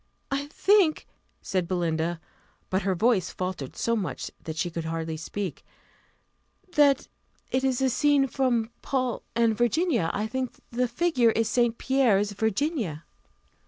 "I think," said Belinda, (but her voice faltered so much that she could hardly speak,) "that it is a scene from Paul and Virginia. I think the figure is St. Pierre's Virginia."